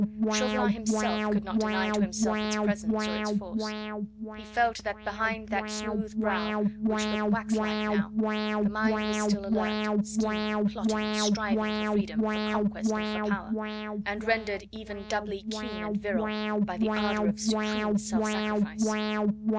Chauvelin himself could not deny to himself its presence or its force. He felt that behind that smooth brow, which looked waxlike now, the mind was still alert, scheming, plotting, striving for freedom, for conquest and for power, and rendered even doubly keen and virile by the ardour of supreme self sacrifice.